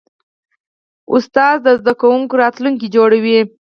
ښوونکی د زده کوونکي راتلونکی جوړوي.